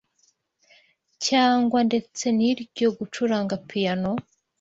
cyangwa ndetse n’iryo gucuranga piyano